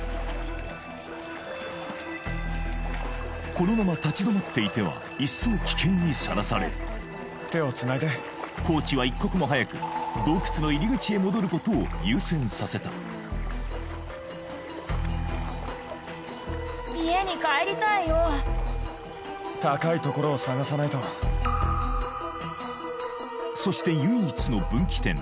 このまま立ち止まっていてはいっそう危険にさらされるコーチは一刻も早く洞窟の入り口へ戻ることを優先させたそして唯一の分岐点